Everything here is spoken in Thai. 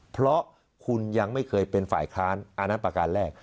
เพราะคุณยังไม่เคยเป็นฝ่ายค้านอันนั้นประการแรก